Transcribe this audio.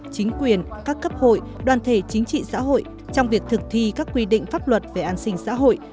chính quyền các cấp hội đoàn thể chính trị xã hội trong việc thực thi các quy định pháp luật về an sinh xã hội